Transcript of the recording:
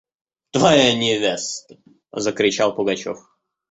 – Твоя невеста! – закричал Пугачев.